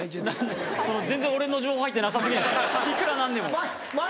全然俺の情報入ってなさ過ぎないですか？